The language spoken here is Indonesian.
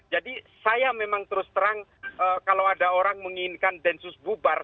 jadi saya memang terus terang kalau ada orang menginginkan densus bubar